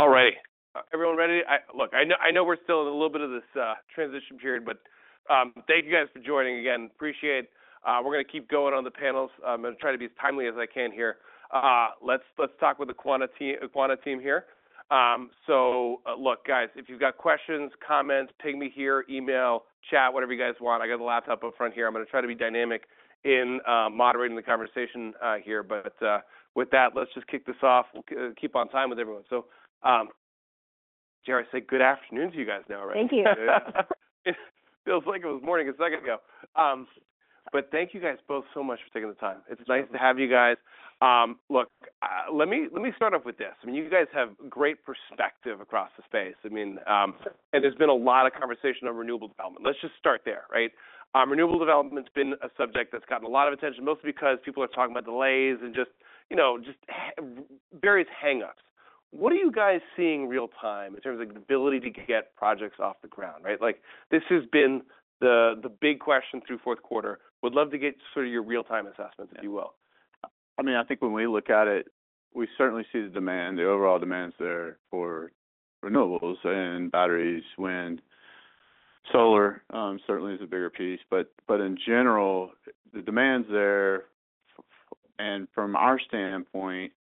All righty. Everyone ready? I know we're still in a little bit of this transition period, but thank you guys for joining again. Appreciate, we're gonna keep going on the panels. I'm gonna try to be as timely as I can here. Let's talk with the Quanta team here. So, look, guys, if you've got questions, comments, ping me here, email, chat, whatever you guys want. I got a laptop up front here. I'm gonna try to be dynamic in moderating the conversation here. But with that, let's just kick this off. We'll keep on time with everyone. So, Jayshree, say good afternoon to you guys now, right? Thank you. Yeah. Feels like it was morning a second ago. But thank you guys both so much for taking the time. It's nice to have you guys. Look, let me let me start off with this. I mean, you guys have great perspective across the space. I mean, and there's been a lot of conversation on renewable development. Let's just start there, right? Renewable development's been a subject that's gotten a lot of attention, mostly because people are talking about delays and just, you know, just have various hangups. What are you guys seeing real-time in terms of the ability to get projects off the ground, right? Like, this has been the big question through fourth quarter. Would love to get sort of your real-time assessments, if you will. I mean, I think when we look at it, we certainly see the demand, the overall demands there for renewables and batteries, wind, solar, certainly is a bigger piece. But in general, the demands there, and from our standpoint,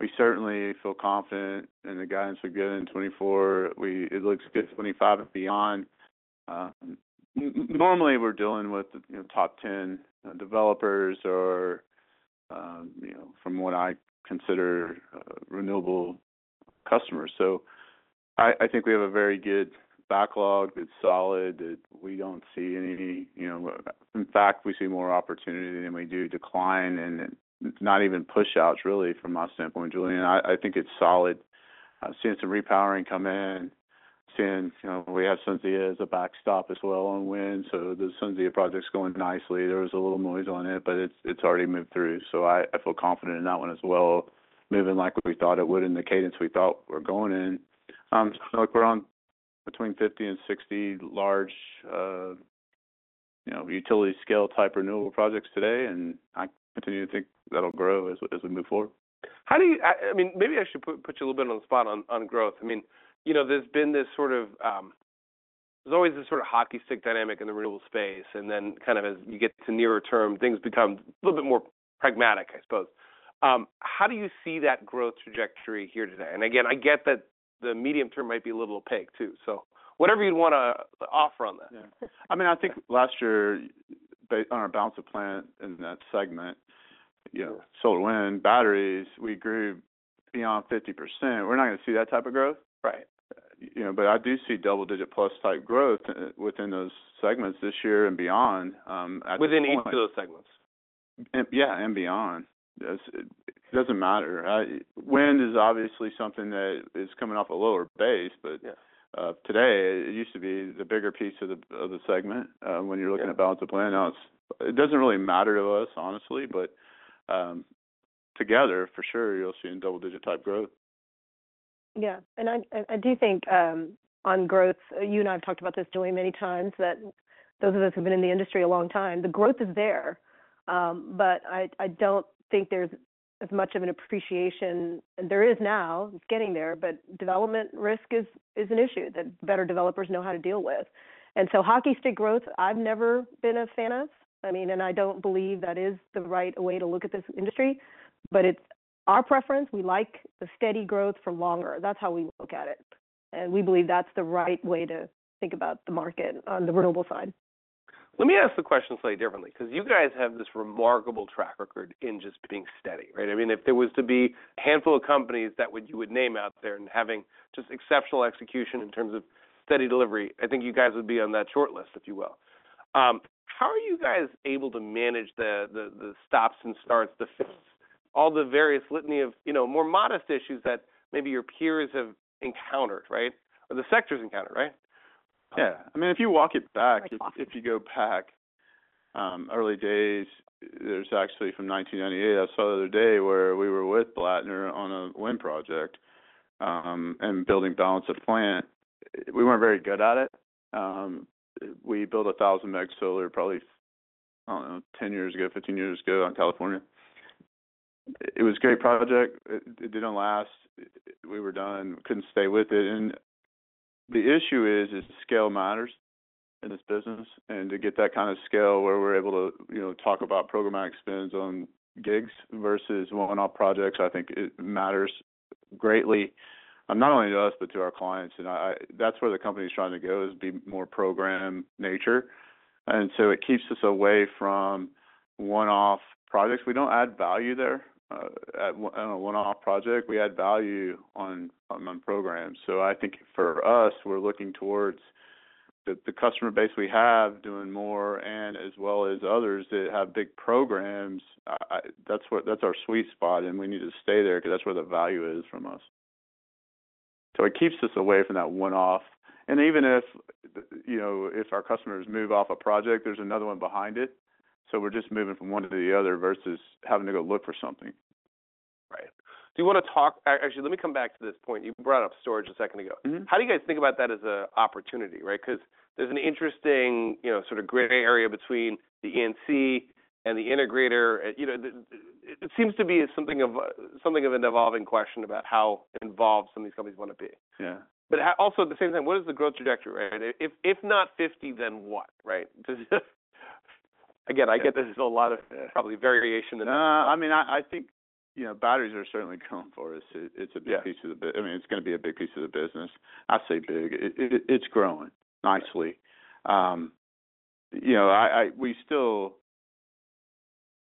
we certainly feel confident in the guidance we're getting in 2024. We it looks good 2025 and beyond. Normally, we're dealing with the, you know, top 10, developers or, you know, from what I consider, renewable customers. So I think we have a very good backlog, it's solid, that we don't see any, you know, in fact, we see more opportunity than we do, decline, and it not even push-outs, really, from my standpoint, Julien. I think it's solid. Seeing some repowering come in, seeing, you know, we have SunZia as a backstop as well on wind. So the SunZia project's going nicely. There was a little noise on it, but it's already moved through. So I feel confident in that one as well, moving like we thought it would in the cadence we thought we're going in. So look, we're on between 50 and 60 large, you know, utility-scale type renewable projects today. And I continue to think that'll grow as we move forward. How do you, I mean, maybe I should put you a little bit on the spot on growth. I mean, you know, there's always this sort of hockey stick dynamic in the renewable space. And then kind of as you get to nearer term, things become a little bit more pragmatic, I suppose. How do you see that growth trajectory here today? And again, I get that the medium term might be a little opaque, too. So whatever you'd wanna offer on that. Yeah. I mean, I think last year, based on our balance of plant in that segment, you know, solar, wind, batteries, we grew beyond 50%. We're not gonna see that type of growth. Right. You know, but I do see double-digit-plus type growth within those segments this year and beyond, at this point. Within each of those segments. Yeah, and beyond. It doesn't matter. Wind is obviously something that is coming off a lower base, but. Yeah. Today, it used to be the bigger piece of the segment when you're looking at balance of plant. Now, it doesn't really matter to us, honestly. But together, for sure, you'll see double-digit-type growth. Yeah. And I do think, on growth, you and I have talked about this, Julien, many times, that those of us who've been in the industry a long time, the growth is there. But I don't think there's as much of an appreciation, and there is now. It's getting there. But development risk is an issue that better developers know how to deal with. And so hockey stick growth, I've never been a fan of. I mean, and I don't believe that is the right way to look at this industry. But it's our preference. We like the steady growth for longer. That's how we look at it. And we believe that's the right way to think about the market on the renewable side. Let me ask the question slightly differently, 'cause you guys have this remarkable track record in just being steady, right? I mean, if there was to be a handful of companies that you would name out there as having just exceptional execution in terms of steady delivery, I think you guys would be on that shortlist, if you will. How are you guys able to manage the stops and starts, the fits, all the various litany of, you know, more modest issues that maybe your peers have encountered, right, or the sectors encountered, right? Yeah. I mean, if you walk it back, if you go back, early days, there's actually from 1998, I saw the other day where we were with Blattner on a wind project, and building balance of plant. We weren't very good at it. We built 1,000 meg solar probably, I don't know, 10 years ago, 15 years ago on California. It was a great project. It didn't last. We were done. Couldn't stay with it. And the issue is, scale matters in this business. And to get that kind of scale where we're able to, you know, talk about programmatic spends on gigs versus one-off projects, I think it matters greatly, not only to us but to our clients. And that's where the company's trying to go, is be more program nature. And so it keeps us away from one-off projects. We don't add value there, at, well, I don't know, one-off project. We add value on programs. So I think for us, we're looking towards the customer base we have doing more, as well as others that have big programs. I—that's where that's our sweet spot. And we need to stay there 'cause that's where the value is from us. So it keeps us away from that one-off. And even if, you know, if our customers move off a project, there's another one behind it. So we're just moving from one to the other versus having to go look for something. Right. Do you wanna talk? Actually, let me come back to this point. You brought up storage a second ago. Mm-hmm. How do you guys think about that as an opportunity, right? 'Cause there's an interesting, you know, sort of gray area between the E&C and the integrator. You know, it seems to be something of an evolving question about how involved some of these companies wanna be. Yeah. But also, at the same time, what is the growth trajectory, right? If not 50, then what, right? 'Cause again, I get there's a lot of probably variation in that. I mean, I think, you know, batteries are certainly growing for us. It's a big piece of the bi. Yeah. I mean, it's gonna be a big piece of the business. I say big. It's growing nicely. You know, we still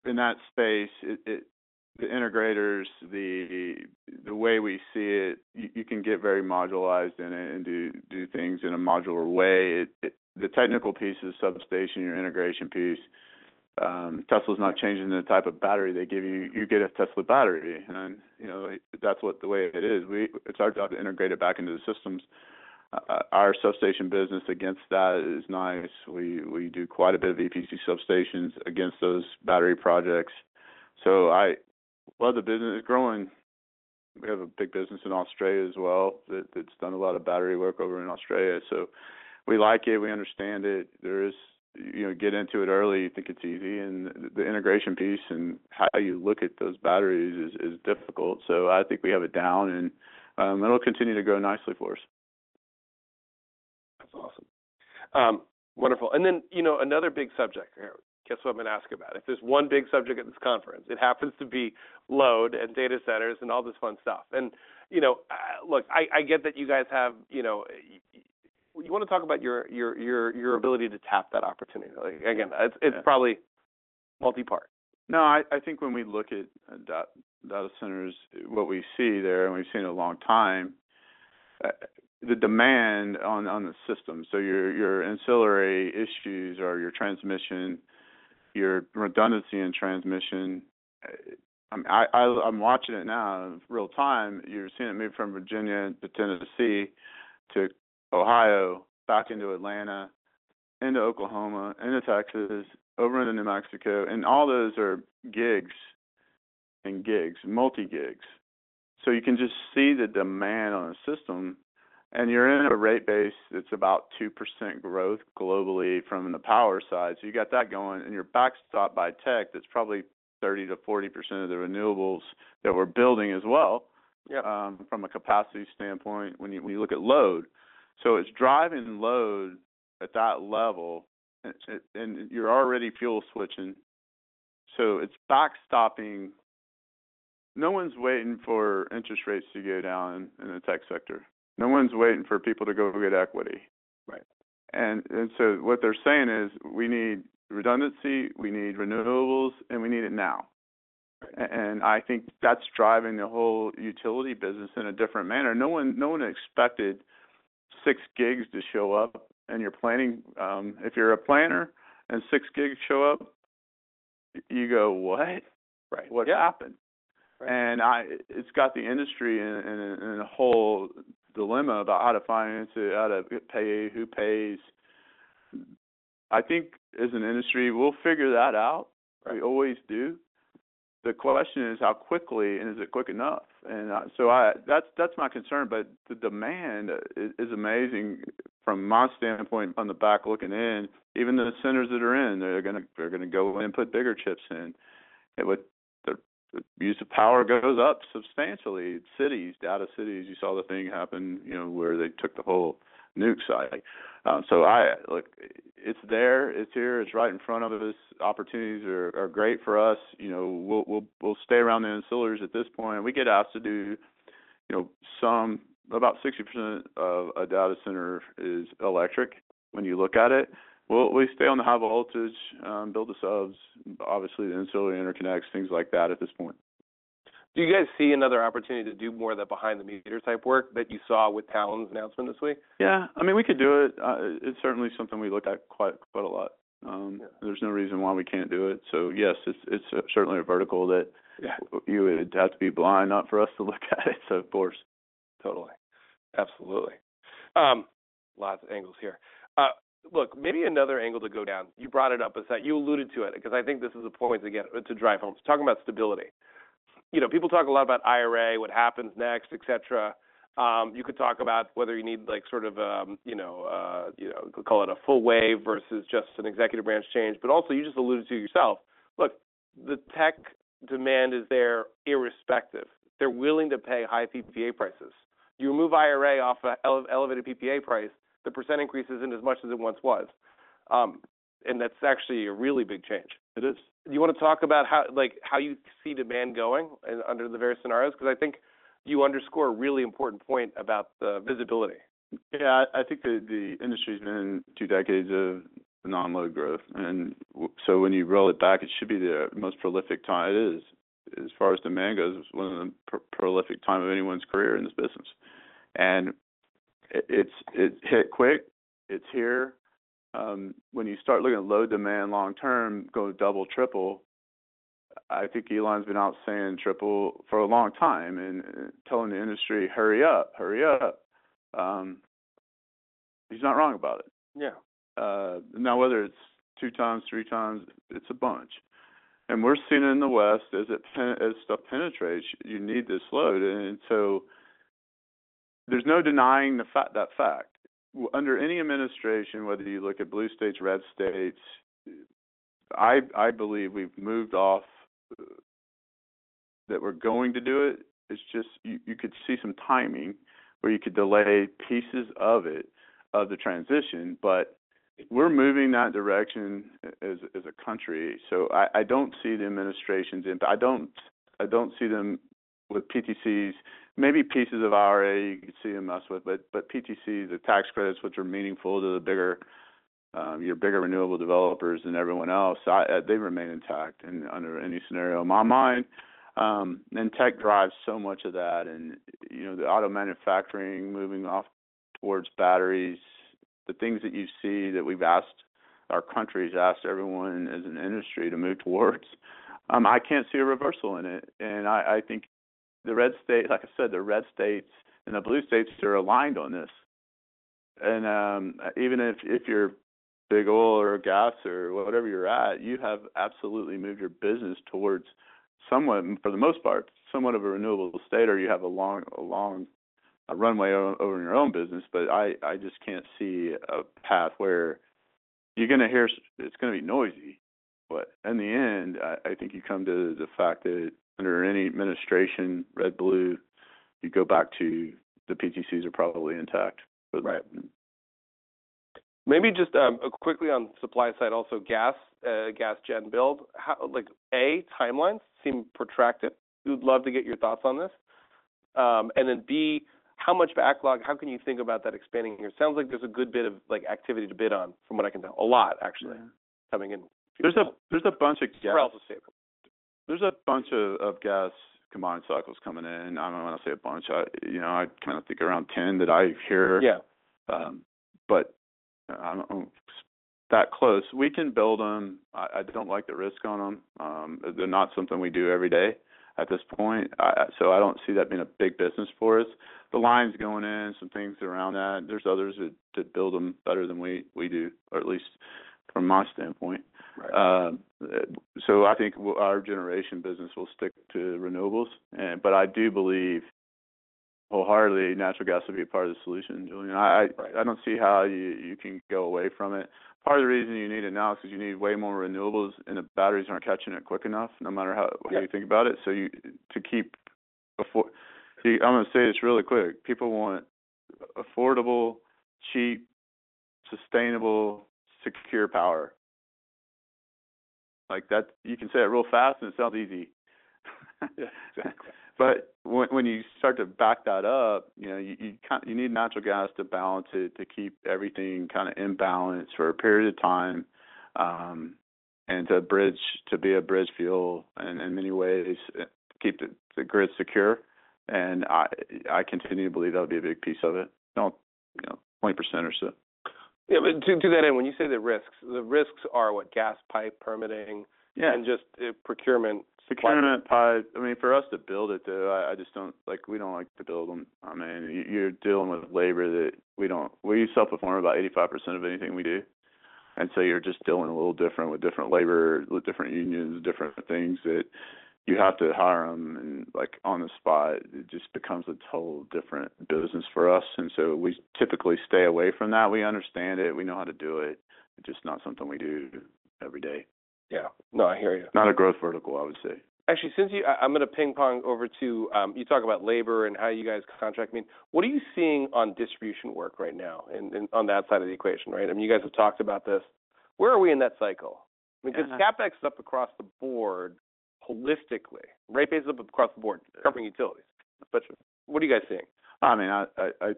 in that space, the integrators, the way we see it, you can get very modularized in it and do things in a modular way. The technical piece is substation, your integration piece. Tesla's not changing the type of battery they give you. You get a Tesla battery, and, you know, that's what the way it is. It's our job to integrate it back into the systems. Our substation business against that is nice. We do quite a bit of EPC substations against those battery projects. So while the business is growing, we have a big business in Australia as well that's done a lot of battery work over in Australia. So we like it. We understand it. There's, you know, get into it early. You think it's easy. And the integration piece and how you look at those batteries is difficult. So I think we have it down. And it'll continue to grow nicely for us. That's awesome. Wonderful. And then, you know, another big subject here. Guess what I'm gonna ask about? If there's one big subject at this conference, it happens to be load and data centers and all this fun stuff. And, you know, look, I get that you guys have, you know, you wanna talk about your ability to tap that opportunity. Like, again, it's probably multi-part. No, I think when we look at the data centers, what we see there, and we've seen it a long time, the demand on the systems. So your ancillary issues are your transmission, your redundancy in transmission. I mean, I'm watching it now real-time. You're seeing it move from Virginia to Tennessee to Ohio, back into Atlanta, into Oklahoma, into Texas, over into New Mexico. And all those are gigs and gigs, multi-gigs. So you can just see the demand on a system. And you're in a rate base that's about 2% growth globally from the power side. So you got that going. And you're backstopped by tech that's probably 30%-40% of the renewables that we're building as well. Yeah. From a capacity standpoint, when you look at load. So it's driving load at that level. And it, and you're already fuel switching. So it's backstopping. No one's waiting for interest rates to go down in the tech sector. No one's waiting for people to go get equity. Right. And so what they're saying is, "We need redundancy. We need renewables. And we need it now. Right. And I think that's driving the whole utility business in a different manner. No one expected 6 gigs to show up. And you're planning, if you're a planner and 6 gigs show up, you go, "What? Right. What happened? Yeah. Right. It's got the industry in a whole dilemma about how to finance it, how to pay, who pays. I think, as an industry, we'll figure that out. Right. We always do. The question is how quickly, and is it quick enough? So that's my concern. But the demand is amazing from my standpoint on the back looking in. Even the centers that are in, they're gonna go in and put bigger chips in. The use of power goes up substantially. Data centers, you saw the thing happen, you know, where they took the whole nukes site. So look, it's there. It's here. It's right in front of us. Opportunities are great for us. You know, we'll stay around the ancillaries at this point. We get asked to do, you know, about 60% of a data center is electric when you look at it. We stay on the high voltage, build the subs, obviously, the ancillary interconnects, things like that at this point. Do you guys see another opportunity to do more of that behind-the-meter type work that you saw with Talen's announcement this week? Yeah. I mean, we could do it. It's certainly something we look at quite quite a lot. Yeah. There's no reason why we can't do it. So yes, it's certainly a vertical that. Yeah. You would have to be blind not to look at it, of course. Totally. Absolutely. Lots of angles here. Look, maybe another angle to go down. You brought it up with that. You alluded to it 'cause I think this is a point, again, to drive home. Talking about stability. You know, people talk a lot about IRA, what happens next, etc. You could talk about whether you need, like, sort of a, you know, you know, call it a full wave versus just an executive branch change. But also, you just alluded to yourself. Look, the tech demand is there irrespective. They're willing to pay high PPA prices. You remove IRA off an elevated PPA price, the percent increases aren't as much as it once was. And that's actually a really big change. It is. Do you wanna talk about how, like, how you see demand going in under the various scenarios? 'Cause I think you underscore a really important point about the visibility. Yeah. I think the industry's been in two decades of non-load growth. And so when you roll it back, it should be the most prolific time. It is. As far as demand goes, it's one of the prolific time of anyone's career in this business. And it's it hit quick. It's here. When you start looking at load demand long-term, going double, triple, I think Elon's been out saying triple for a long time and telling the industry, "Hurry up. Hurry up." He's not wrong about it. Yeah. Now whether it's two times, three times, it's a bunch. And we're seeing it in the West. As it penetrates, stuff penetrates, you need this load. And so there's no denying the fact that we're under any administration, whether you look at blue states, red states, I believe we've moved off that we're going to do it. It's just you could see some timing where you could delay pieces of it, of the transition. But we're moving that direction as a country. So I don't see the administrations. I don't see them with PTCs. Maybe pieces of IRA, you could see them mess with. But PTCs, the tax credits, which are meaningful to the bigger, your bigger renewable developers than everyone else, they remain intact under any scenario. In my mind, and tech drives so much of that. You know, the auto manufacturing moving off towards batteries, the things that you see that we've asked our countries asked everyone as an industry to move towards, I can't see a reversal in it. And I think the red state like I said, the red states and the blue states, they're aligned on this. And, even if you're big oil or gas or whatever you're at, you have absolutely moved your business towards somewhat, for the most part, somewhat of a renewable state, or you have a long runway over in your own business. But I just can't see a path where you're gonna hear it's gonna be noisy. But in the end, I think you come to the fact that under any administration, red, blue, you go back to the PTCs are probably intact for the. Right. Maybe just a quick on supply side also, gas, gas gen build. How, like, A, timelines seem protracted. We would love to get your thoughts on this. And then B, how much backlog? How can you think about that expanding here? Sounds like there's a good bit of, like, activity to bid on from what I can tell. A lot, actually. Yeah. Coming in. There's a bunch of gas. For AltaStable. There's a bunch of gas commodity cycles coming in. I don't wanna say a bunch. I, you know, I kinda think around 10 that I hear. Yeah. but I don't know that close. We can build them. I don't like the risk on them. They're not something we do every day at this point. So I don't see that being a big business for us. The lines going in, some things around that, there's others that build them better than we do, or at least from my standpoint. Right. I think with our generation business will stick to renewables. But I do believe wholeheartedly, natural gas will be a part of the solution, Julien. Right. I don't see how you can go away from it. Part of the reason you need it now is 'cause you need way more renewables, and the batteries aren't catching it quick enough no matter how you think about it. Right. So, you know, to keep it PC, I'm gonna say this really quick. People want affordable, cheap, sustainable, secure power. Like, that you can say it real fast, and it sounds easy. Yeah. Exactly. But when you start to back that up, you know, you kinda need natural gas to balance it, to keep everything kinda in balance for a period of time, and to bridge to be a bridge fuel in many ways, to keep the grid secure. And I continue to believe that'll be a big piece of it. Don't, you know, 20% or so. Yeah. But to that end, when you say the risks, the risks are what? Gas pipe, permitting. Yeah. Just, procurement. Procurement pipe. I mean, for us to build it, though, I just don't like, we don't like to build them. I mean, you're dealing with labor that we don't, we self-perform about 85% of anything we do. And so you're just dealing a little different with different labor, with different unions, different things that you have to hire them and, like, on the spot. It just becomes a total different business for us. And so we typically stay away from that. We understand it. We know how to do it. It's just not something we do every day. Yeah. No, I hear you. Not a growth vertical, I would say. Actually, since I'm gonna ping-pong over to you, talk about labor and how you guys contract meet. What are you seeing on distribution work right now in on that side of the equation, right? I mean, you guys have talked about this. Where are we in that cycle? I mean, 'cause CapEx is up across the board holistically. Rate base is up across the board covering utilities. But what are you guys seeing? I mean, I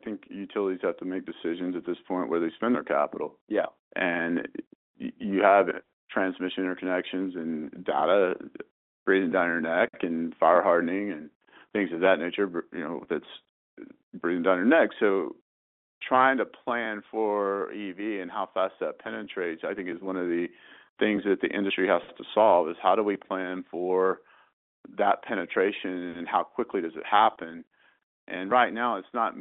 think utilities have to make decisions at this point where they spend their capital. Yeah. And you have transmission interconnections and data breathing down your neck and fire hardening and things of that nature, you know, that's breathing down your neck. So trying to plan for EV and how fast that penetrates, I think, is one of the things that the industry has to solve, is how do we plan for that penetration, and how quickly does it happen? And right now, it's not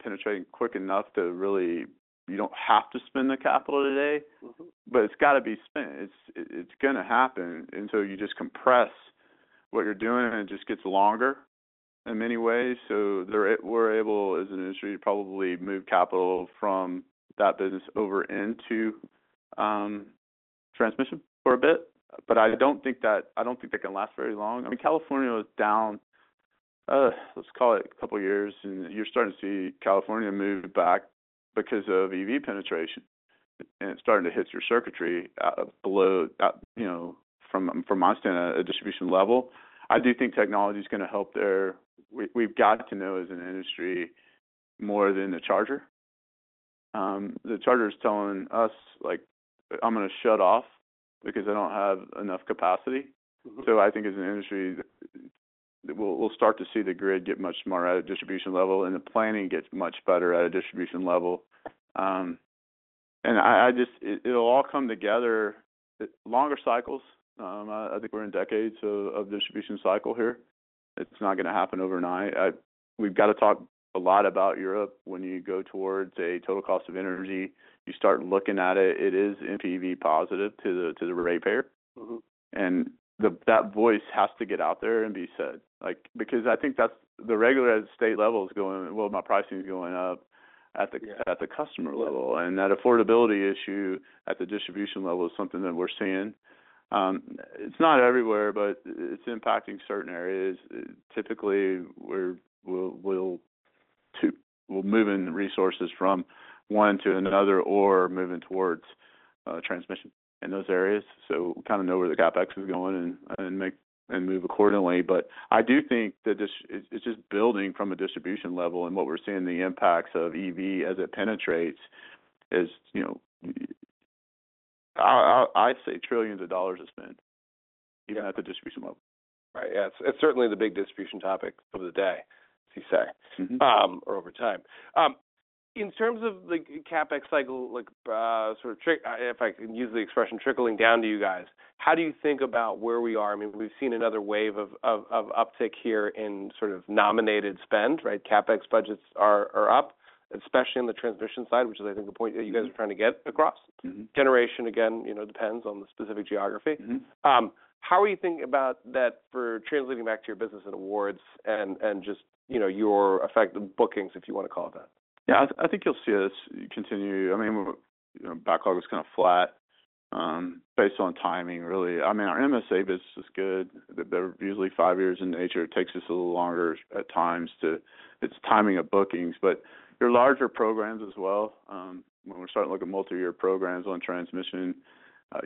penetrating quick enough to really you don't have to spend the capital today. Mm-hmm. But it's gotta be spent. It's it's gonna happen. And so you just compress what you're doing, and it just gets longer in many ways. So we're able, as an industry, to probably move capital from that business over into transmission for a bit. But I don't think that I don't think that can last very long. I mean, California was down, let's call it a couple years. And you're starting to see California move back because of EV penetration. And it's starting to hit your circuitry out below out, you know, from my standpoint, a distribution level. I do think technology's gonna help there. We've got to know, as an industry, more than the charger. The charger's telling us, like, "I'm gonna shut off because I don't have enough capacity. Mm-hmm. So I think, as an industry, that we'll start to see the grid get much more at a distribution level, and the planning get much better at a distribution level. And I just it'll all come together, longer cycles. I think we're in decades of distribution cycle here. It's not gonna happen overnight. We've gotta talk a lot about Europe. When you go towards a total cost of energy, you start looking at it. It is NPV positive to the rate payer. Mm-hmm. That voice has to get out there and be said, like, because I think that's the regulator at the state level is going, "Well, my pricing's going up at the customer level. Yeah. That affordability issue at the distribution level is something that we're seeing. It's not everywhere, but it's impacting certain areas. Typically, we'll move in resources from one to another or moving towards transmission in those areas. So kind of know where the CapEx is going and make and move accordingly. But I do think this is just building from a distribution level. And what we're seeing, the impacts of EV as it penetrates is, you know, I say $ trillions are spent. Yeah. Even at the distribution level. Right. Yeah. It's certainly the big distribution topic of the day, as you say. Mm-hmm. or over time. In terms of the CapEx cycle, like, sort of trickle, if I can use the expression, trickling down to you guys, how do you think about where we are? I mean, we've seen another wave of uptick here in sort of nominated spend, right? CapEx budgets are up, especially on the transmission side, which is, I think, a point that you guys are trying to get across. Mm-hmm. Generation, again, you know, depends on the specific geography. Mm-hmm. How are you thinking about that for translating back to your business and awards and and just, you know, your effect on bookings, if you wanna call it that? Yeah. I think you'll see us continue. I mean, we're, you know, backlog is kinda flat, based on timing, really. I mean, our MSA business is good. They're usually five years in nature. It takes us a little longer at times to, it's timing of bookings. But your larger programs as well, when we're starting to look at multi-year programs on transmission,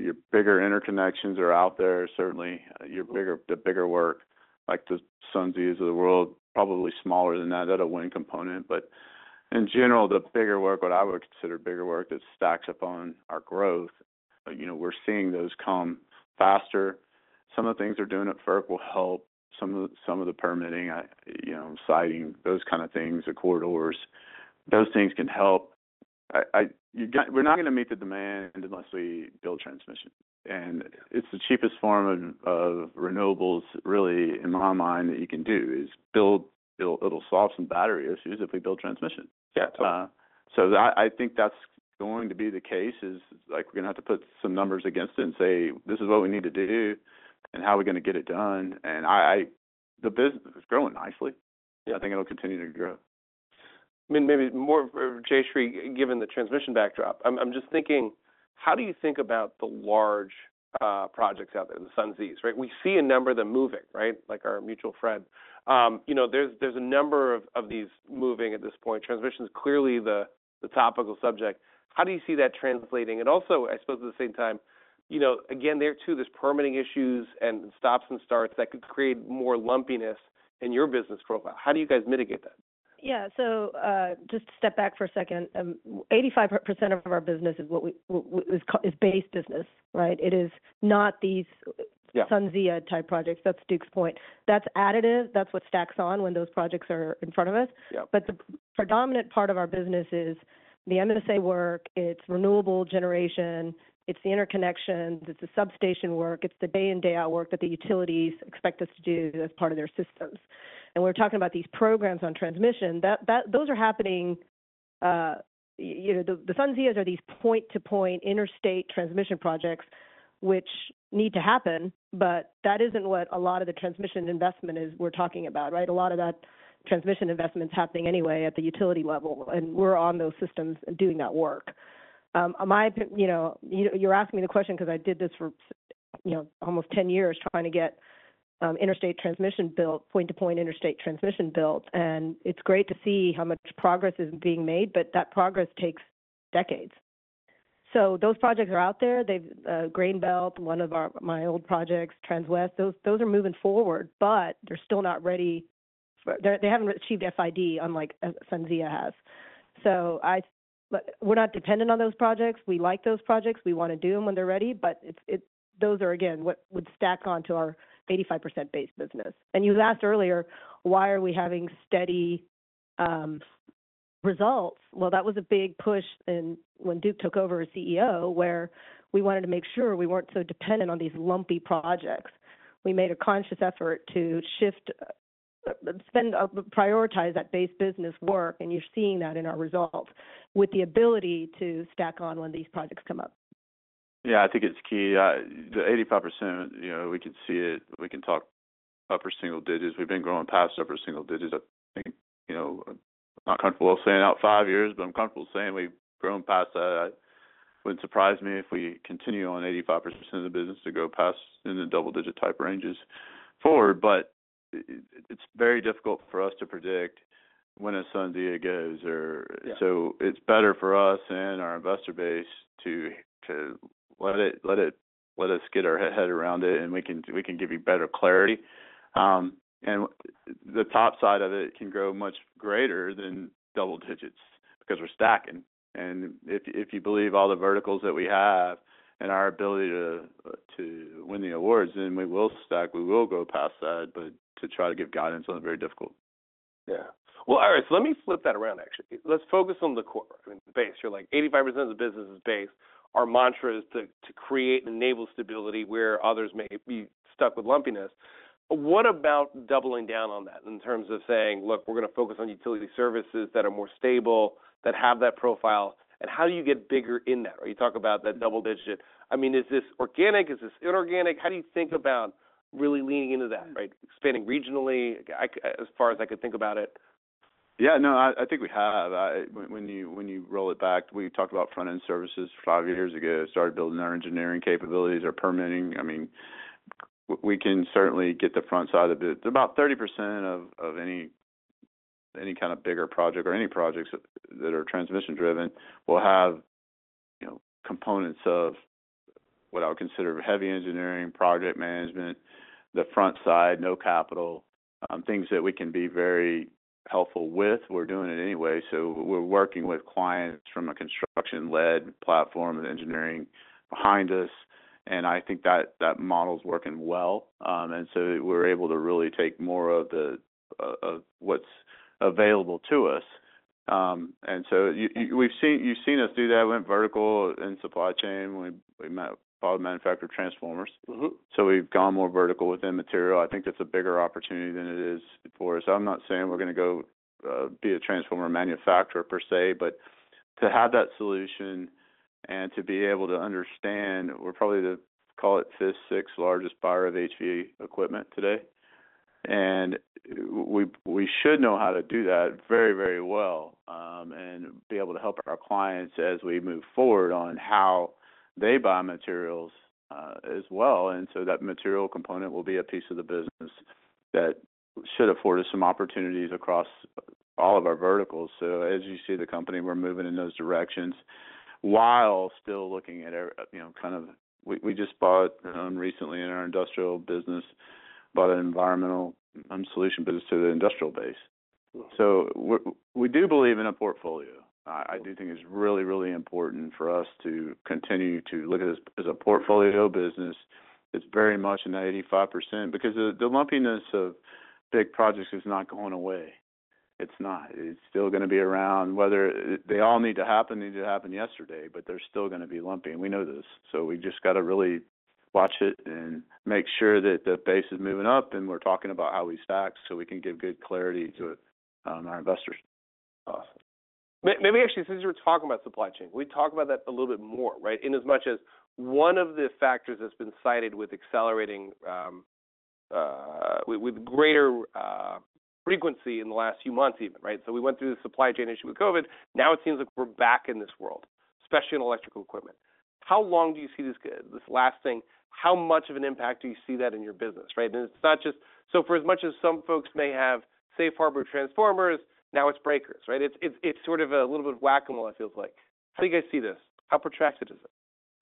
your bigger interconnections are out there, certainly. The bigger work, like the SunZia of the world, probably smaller than that. That'll win component. But in general, the bigger work, what I would consider bigger work that stacks upon our growth, you know, we're seeing those come faster. Some of the things they're doing at FERC will help. Some of the permitting, you know, siting, those kinda things, the corridors, those things can help. We're not gonna meet the demand unless we build transmission. And it's the cheapest form of renewables, really, in my mind, that you can do is build. It'll solve some battery issues if we build transmission. Yeah. Totally. I think that's going to be the case, like, we're gonna have to put some numbers against it and say, "This is what we need to do and how we're gonna get it done." And the business is growing nicely. Yeah. I think it'll continue to grow. I mean, maybe more for Jayshree, given the transmission backdrop. I'm just thinking, how do you think about the large projects out there, the SunZia, right? We see a number of them moving, right, like our mutual friend. You know, there's a number of these moving at this point. Transmission's clearly the topical subject. How do you see that translating? And also, I suppose, at the same time, you know, again, there too, there's permitting issues and stops and starts that could create more lumpiness in your business profile. How do you guys mitigate that? Yeah. So, just to step back for a second, 85% of our business is what we call base business, right? It is not these. Yeah. SunZia-type projects. That's Duke's point. That's additive. That's what stacks on when those projects are in front of us. Yeah. But the predominant part of our business is the MSA work. It's renewable generation. It's the interconnections. It's the substation work. It's the day-in, day-out work that the utilities expect us to do as part of their systems. And we're talking about these programs on transmission. That those are happening, you know, the SunZia are these point-to-point interstate transmission projects, which need to happen. But that isn't what a lot of the transmission investment is we're talking about, right? A lot of that transmission investment's happening anyway at the utility level. And we're on those systems and doing that work. In my opinion, you know, you know, you're asking me the question 'cause I did this for you know, almost 10 years trying to get, interstate transmission built point-to-point interstate transmission built. It's great to see how much progress is being made, but that progress takes decades. So those projects are out there. They've Grain Belt Express, one of my old projects, TransWest Express, those are moving forward. But they're still not ready. They haven't achieved FID, unlike SunZia has. So I think we're not dependent on those projects. We like those projects. We wanna do them when they're ready. But those are, again, what would stack onto our 85% base business. And you asked earlier, why are we having steady results? Well, that was a big push when Duke took over as CEO, where we wanted to make sure we weren't so dependent on these lumpy projects. We made a conscious effort to shift spend, prioritize that base business work. You're seeing that in our results with the ability to stack on when these projects come up. Yeah. I think it's key. The 85%, you know, we can see it. We can talk upper single digits. We've been growing past upper single digits. I think, you know, I'm not comfortable saying out five years, but I'm comfortable saying we've grown past that. It wouldn't surprise me if we continue on 85% of the business to go past in the double-digit type ranges forward. But it's very difficult for us to predict when a SunZia goes, or. Yeah. So it's better for us and our investor base to let us get our head around it. And we can give you better clarity. And with the top side of it can grow much greater than double digits 'cause we're stacking. And if you believe all the verticals that we have and our ability to win the awards, then we will stack. We will go past that. But to try to give guidance on it, very difficult. Yeah. Well, all right. So let me flip that around, actually. Let's focus on the core. I mean, the base. You're like, "85% of the business is base." Our mantra is to create and enable stability where others may be stuck with lumpiness. What about doubling down on that in terms of saying, "Look, we're gonna focus on utility services that are more stable, that have that profile"? And how do you get bigger in that, right? You talk about that double digit. I mean, is this organic? Is this inorganic? How do you think about really leaning into that, right, expanding regionally, again, as far as I can think about it? Yeah. No, I think we have. When you roll it back, we talked about front-end services five years ago, started building our engineering capabilities, our permitting. I mean, we can certainly get the front side of it. About 30% of any kinda bigger project or any projects that are transmission-driven will have, you know, components of what I would consider heavy engineering, project management, the front side, no capital, things that we can be very helpful with. We're doing it anyway. So we're working with clients from a construction-led platform and engineering behind us. And I think that model's working well. And so we're able to really take more of what's available to us. And so you've seen us do that. We went vertical in supply chain. We met all the manufacturer transformers. Mm-hmm. So we've gone more vertical within material. I think that's a bigger opportunity than it is for us. I'm not saying we're gonna go, be a transformer manufacturer per se. But to have that solution and to be able to understand, we're probably the call it fifth, sixth largest buyer of HV equipment today. And we should know how to do that very, very well, and be able to help our clients as we move forward on how they buy materials, as well. And so that material component will be a piece of the business that should afford us some opportunities across all of our verticals. So as you see the company, we're moving in those directions while still looking at our you know, kind of we just bought, recently in our industrial business, bought an environmental solution business to the industrial base. Mm-hmm. So we do believe in a portfolio. I do think it's really, really important for us to continue to look at it as a portfolio business. It's very much an 85% because the lumpiness of big projects is not going away. It's not. It's still gonna be around. Whether they all need to happen, need to happen yesterday, but they're still gonna be lumpy. And we know this. So we just gotta really watch it and make sure that the base is moving up. And we're talking about how we stack so we can give good clarity to it, our investors. Awesome. Maybe actually, since you were talking about supply chain, can we talk about that a little bit more, right, in as much as one of the factors that's been cited with accelerating, with greater frequency in the last few months even, right? So we went through the supply chain issue with COVID. Now it seems like we're back in this world, especially in electrical equipment. How long do you see this lasting? How much of an impact do you see that in your business, right? And it's not just so for as much as some folks may have safe harbor transformers, now it's breakers, right? It's sort of a little bit of whack-a-mole, it feels like. How do you guys see this? How protracted is it?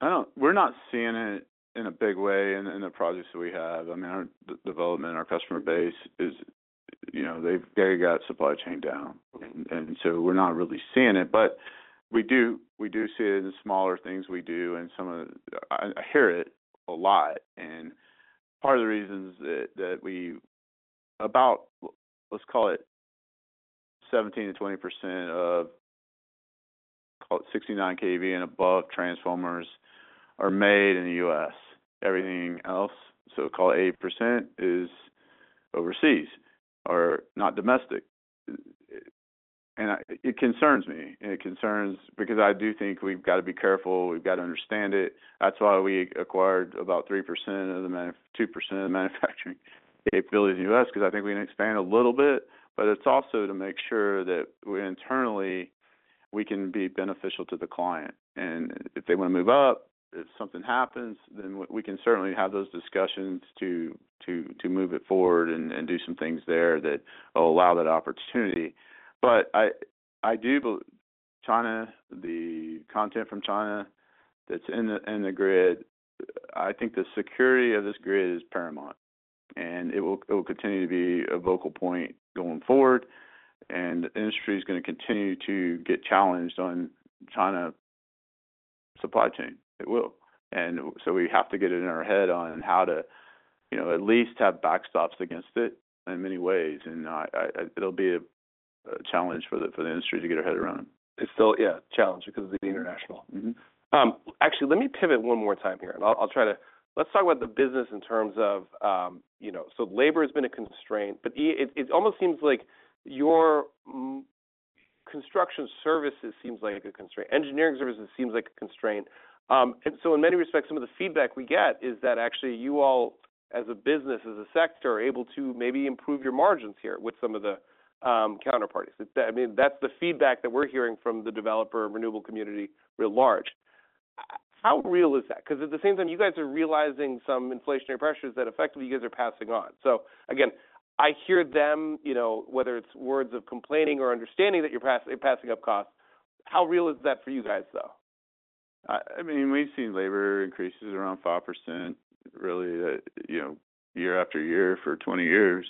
I don't, we're not seeing it in a big way in the projects that we have. I mean, our development, our customer base is, you know, they've got supply chain down. Mm-hmm. And so we're not really seeing it. But we do see it in smaller things. We do. And some of the, I hear it a lot. And part of the reasons that we about let's call it 17%-20% of call it 69 kV and above transformers are made in the U.S. Everything else so call it 80% is overseas or not domestic. It and it concerns me. And it concerns because I do think we've gotta be careful. We've gotta understand it. That's why we acquired about 3% of the man 2% of the manufacturing capabilities in the U.S. 'cause I think we can expand a little bit. But it's also to make sure that we internally, we can be beneficial to the client. And if they wanna move up, if something happens, then we can certainly have those discussions to move it forward and do some things there that'll allow that opportunity. But I do believe China, the content from China that's in the grid, I think the security of this grid is paramount. And it will continue to be a focal point going forward. And the industry's gonna continue to get challenged on China supply chain. It will. And so we have to get it in our head on how to, you know, at least have backstops against it in many ways. And it'll be a challenge for the industry to get their head around. It's still, yeah, a challenge because of the international. Mm-hmm. Actually, let me pivot one more time here. I'll try to, let's talk about the business in terms of, you know, so labor has been a constraint. But it almost seems like your construction services seems like a constraint. Engineering services seems like a constraint. And so in many respects, some of the feedback we get is that actually, you all, as a business, as a sector, are able to maybe improve your margins here with some of the counterparties. I mean, that's the feedback that we're hearing from the developer renewable community real large. How real is that? 'Cause at the same time, you guys are realizing some inflationary pressures that effectively, you guys are passing on. So again, I hear them, you know, whether it's words of complaining or understanding that you're passing up costs. How real is that for you guys, though? I mean, we've seen labor increases around 5%, really, you know, year after year for 20 years.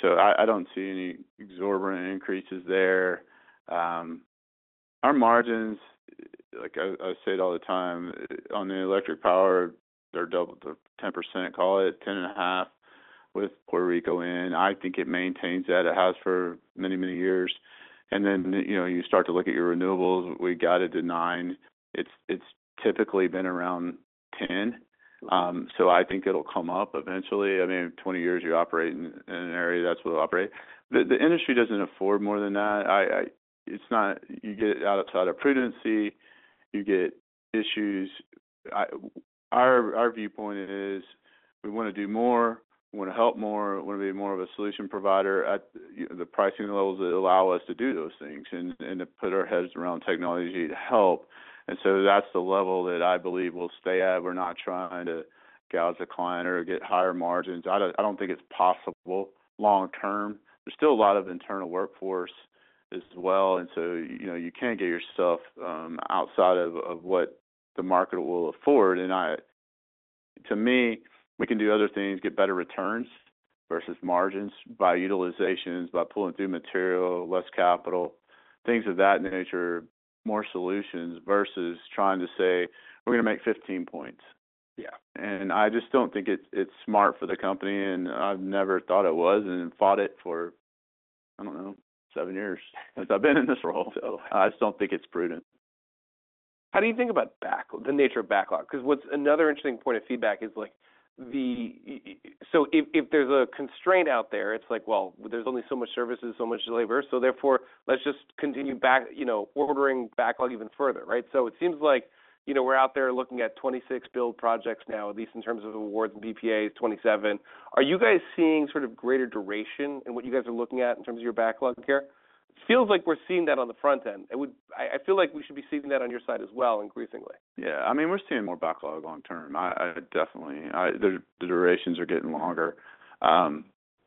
So I don't see any exorbitant increases there. Our margins, I like, I say it all the time, I on the electric power, they're double the 10%, call it, 10.5% with Puerto Rico in. I think it maintains that. It has for many, many years. And then, you know, you start to look at your renewables. We got it to 9%. It's typically been around 10%. Mm-hmm. So I think it'll come up eventually. I mean, 20 years, you operate in an area. That's what it'll operate. The industry doesn't afford more than that. I it's not you get it outside of prudency. You get issues. Our viewpoint is we wanna do more. We wanna help more. We wanna be more of a solution provider at, you know, the pricing levels that allow us to do those things and to put our heads around technology to help. And so that's the level that I believe we'll stay at. We're not trying to gouge the client or get higher margins. I don't think it's possible long term. There's still a lot of internal workforce as well. And so, you know, you can't get your stuff outside of what the market will afford. To me, we can do other things, get better returns versus margins by utilizations, by pulling through material, less capital, things of that nature, more solutions versus trying to say, "We're gonna make 15 points. Yeah. I just don't think it's smart for the company. I've never thought it was and fought it for, I don't know, 7 years since I've been in this role. Totally. I just don't think it's prudent. How do you think about backlog the nature of backlog? 'Cause what's another interesting point of feedback is, like, the issue, so if there's a constraint out there, it's like, "Well, there's only so much services, so much labor. So therefore, let's just continue back, you know, ordering backlog even further," right? So it seems like, you know, we're out there looking at 26 build projects now, at least in terms of awards and BPAs, 27. Are you guys seeing sort of greater duration in what you guys are looking at in terms of your backlog here? It feels like we're seeing that on the front end. It would. I feel like we should be seeing that on your side as well increasingly. Yeah. I mean, we're seeing more backlog long term. I definitely, the durations are getting longer.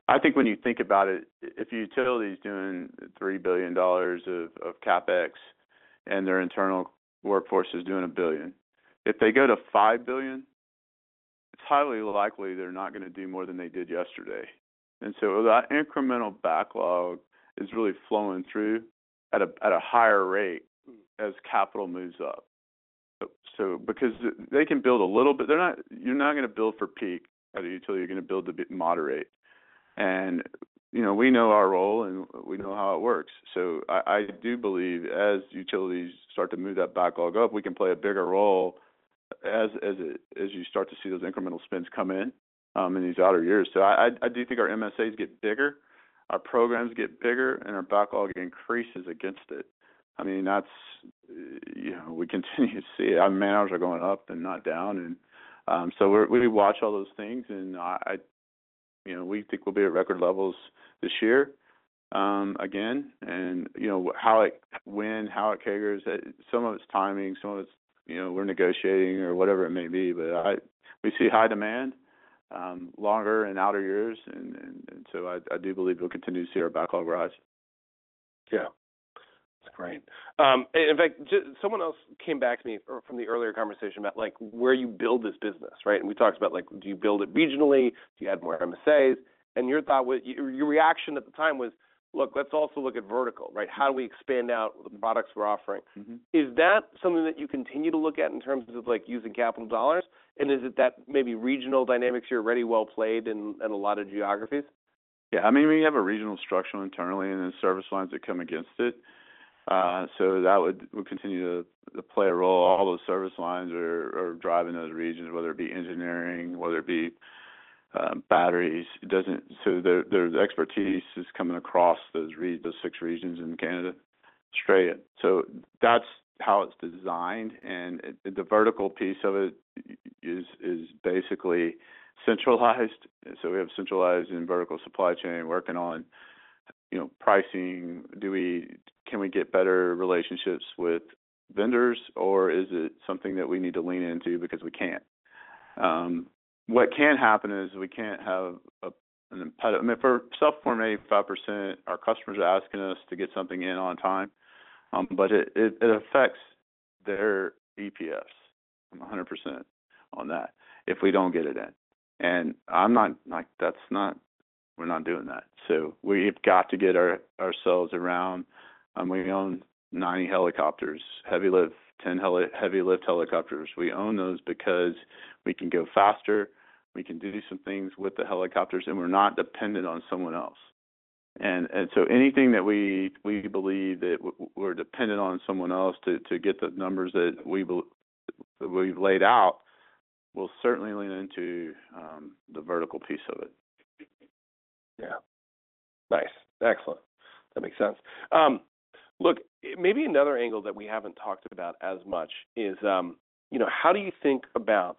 I think when you think about it, if utility's doing $3 billion of CapEx, and their internal workforce is doing $1 billion, if they go to $5 billion, it's highly likely they're not gonna do more than they did yesterday. And so that incremental backlog is really flowing through at a higher rate as capital moves up. So because they can build a little bit. They're not, you're not gonna build for peak at a utility. You're gonna build to be moderate. And, you know, we know our role, and we know how it works. So I do believe as utilities start to move that backlog up, we can play a bigger role as you start to see those incremental spins come in, in these outer years. So I do think our MSAs get bigger, our programs get bigger, and our backlog increases against it. I mean, that's it, you know, we continue to see it. Our margins are going up and not down. And, so we watch all those things. And I you know, we think we'll be at record levels this year, again. And, you know, how it when, how it CAGRs, some of it's timing. Some of it's, you know, we're negotiating or whatever it may be. But we see high demand, longer and outer years. And so I do believe we'll continue to see our backlog rise. Yeah. That's great. And in fact, just someone else came back to me or from the earlier conversation about, like, where you build this business, right? And we talked about, like, do you build it regionally? Do you add more MSAs? And your thought was your reaction at the time was, "Look, let's also look at vertical," right? How do we expand out the products we're offering? Mm-hmm. Is that something that you continue to look at in terms of, like, using capital dollars? And is it that maybe regional dynamics here are already well-played in a lot of geographies? Yeah. I mean, we have a regional structure internally and then service lines that come against it. So that would continue to play a role. All those service lines are driving those regions, whether it be engineering, whether it be batteries. It does, so their expertise is coming across those six regions in Canada, Australia. So that's how it's designed. And the vertical piece of it is basically centralized. And so we have centralized vertical supply chain working on, you know, pricing. Can we get better relationships with vendors? Or is it something that we need to lean into because we can't? What can happen is we can't have an impediment. I mean, for self-performed 85%, our customers are asking us to get something in on time, but it affects their EPS. I'm 100% on that if we don't get it in. And I'm not like, "That's not. We're not doing that." So we have got to get ourselves around. We own 90 helicopters, heavy-lift, 10 heavy-lift helicopters. We own those because we can go faster. We can do some things with the helicopters. And we're not dependent on someone else. And so anything that we believe that we're dependent on someone else to get the numbers that we believe that we've laid out will certainly lean into the vertical piece of it. Yeah. Nice. Excellent. That makes sense. Look, I maybe another angle that we haven't talked about as much is, you know, how do you think about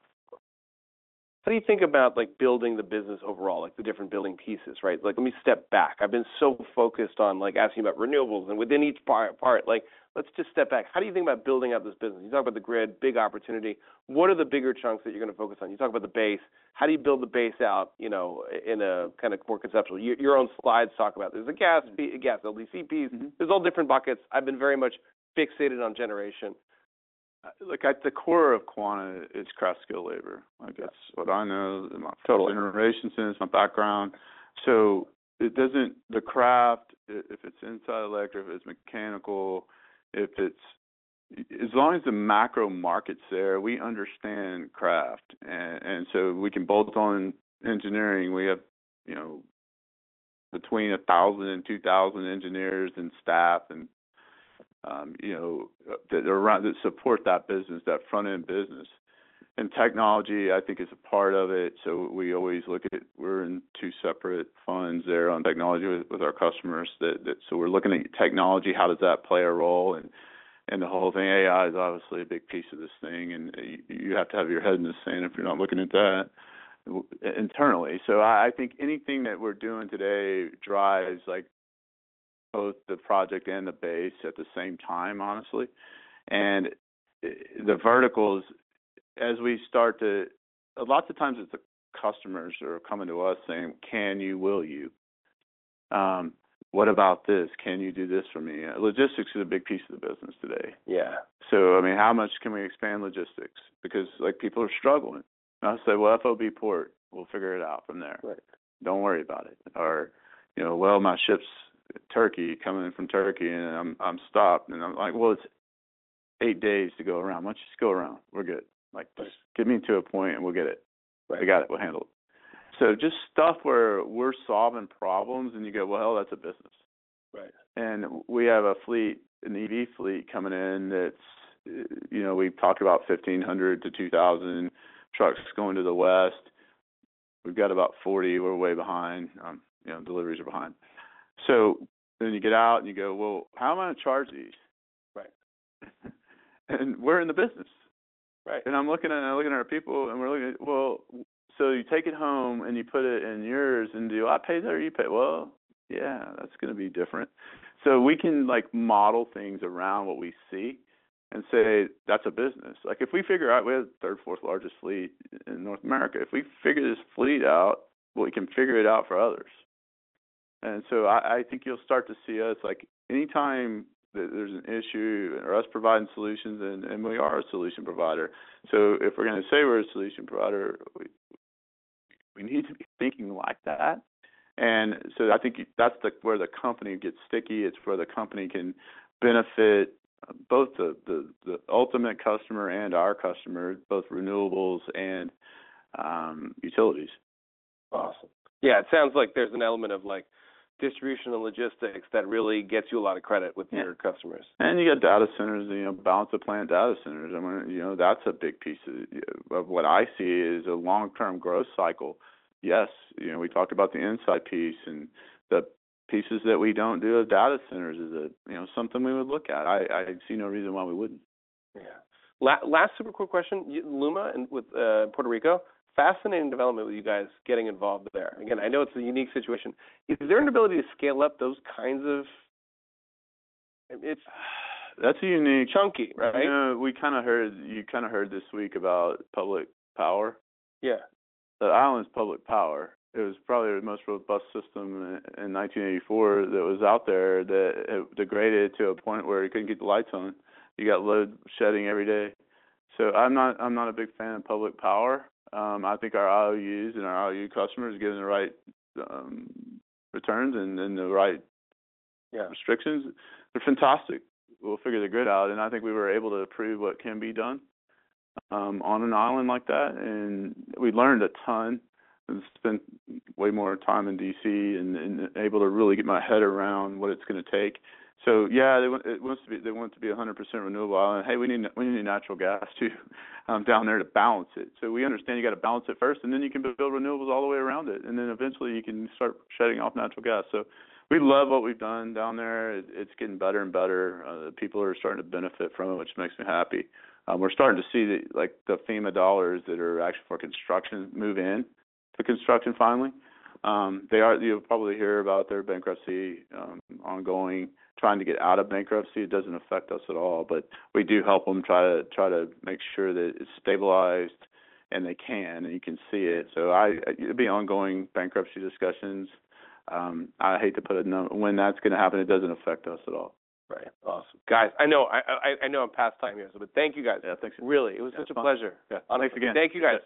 how do you think about, like, building the business overall, like, the different building pieces, right? Like, let me step back. I've been so focused on, like, asking about renewables. And within each part part, like, let's just step back. How do you think about building out this business? You talk about the grid, big opportunity. What are the bigger chunks that you're gonna focus on? You talk about the base. How do you build the base out, you know, in a kinda more conceptual? Your own slides talk about there's a gas be a gas LDC piece. Mm-hmm. There's all different buckets. I've been very much fixated on generation. Look, at the core of Quanta is craft skill labor. Like, that's what I know in my. Totally. Generation since my background. So it doesn't the craft, if it's inside electric, if it's mechanical, if it's as long as the macro market's there, we understand craft. And so we can bolt on engineering. We have, you know, between 1,000 and 2,000 engineers and staff and, you know, that are around that support that business, that front-end business. And technology, I think, is a part of it. So we always look at we're in two separate funds there on technology with our customers that so we're looking at technology. How does that play a role in the whole thing? AI is obviously a big piece of this thing. And you have to have your head in the sand if you're not looking at that internally. So I think anything that we're doing today drives, like, both the project and the base at the same time, honestly. And in the verticals, as we start to a lot of times, it's the customers that are coming to us saying, "Can you? Will you? What about this? Can you do this for me?" Logistics is a big piece of the business today. Yeah. So, I mean, how much can we expand logistics? Because, like, people are struggling. And I'll say, "Well, FOB port. We'll figure it out from there. Right. Don't worry about it." Or, you know, "Well, my ship's Turkey, coming in from Turkey, and I'm stopped." And I'm like, "Well, it's 8 days to go around. Why don't you just go around? We're good." Like, just. Right. Get me to a point, and we'll get it. Right. I got it. We'll handle it." So just stuff where we're solving problems, and you go, "Well, hell, that's a business. Right. We have a fleet, an EV fleet coming in that's, you know, we've talked about 1,500-2,000 trucks going to the west. We've got about 40. We're way behind. You know, deliveries are behind. So then you get out, and you go, "Well, how am I gonna charge these? Right. We're in the business. Right. And I'm looking at our people, and we're looking at, well, so you take it home, and you put it in yours, and do you pay that, or you pay?" "Well, yeah. That's gonna be different." So we can, like, model things around what we see and say, "That's a business." Like, if we figure out we have third, fourth largest fleet in North America. If we figure this fleet out, well, we can figure it out for others. And so I think you'll start to see us, like, anytime that there's an issue or us providing solutions. And we are a solution provider. So if we're gonna say we're a solution provider, we need to be thinking like that. And so I think that's where the company gets sticky. It's where the company can benefit, both the ultimate customer and our customer, both renewables and utilities. Awesome. Yeah. It sounds like there's an element of, like, distributional logistics that really gets you a lot of credit with your customers. Yeah. And you got data centers. You know, balance-of-plant data centers. I mean, you know, that's a big piece of the AI of what I see is a long-term growth cycle. Yes. You know, we talked about the inside piece. And the pieces that we don't do of data centers is a, you know, something we would look at. I see no reason why we wouldn't. Yeah. Last super quick question. With LUMA and with Puerto Rico, fascinating development with you guys getting involved there. Again, I know it's a unique situation. Is there an ability to scale up those kinds of it's. That's a unique. Chunky, right? You know, we kinda heard you this week about public power. Yeah. The island's public power. It was probably the most robust system in 1984 that was out there that it degraded to a point where it couldn't get the lights on. You got load shedding every day. So I'm not a big fan of public power. I think our ROUs and our ROU customers getting the right returns and the right. Yeah. Restrictions, they're fantastic. We'll figure the grid out. I think we were able to prove what can be done, on an island like that. We learned a ton. Spent way more time in D.C. and able to really get my head around what it's gonna take. So yeah, they want it to be 100% renewable island. Hey, we need natural gas too, down there to balance it. So we understand you gotta balance it first. Then you can build renewables all the way around it. Then eventually, you can start shedding off natural gas. So we love what we've done down there. It's getting better and better. The people are starting to benefit from it, which makes me happy. We're starting to see, like, the FEMA dollars that are actually for construction move in for construction finally. They are. You'll probably hear about their bankruptcy, ongoing, trying to get out of bankruptcy. It doesn't affect us at all. But we do help them try to make sure that it's stabilized, and they can. And you can see it. So, it'd be ongoing bankruptcy discussions. I hate to put a no when that's gonna happen. It doesn't affect us at all. Right. Awesome. Guys, I know I'm past time here. So but thank you, guys. Yeah. Thanks, man. Really. It was such a pleasure. Yeah. Yeah. Oh, thanks again. Thank you, guys.